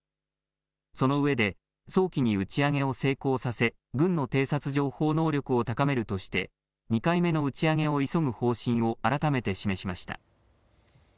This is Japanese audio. そのうえで早期に打ち上げを成功させ軍の偵察情報能力を高めるとして２回目の打ち上げを急ぐ方針を改めて示しました。